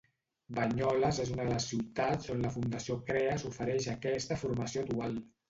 Banyoles és una de les ciutats on la Fundació Kreas ofereix aquesta formació dual.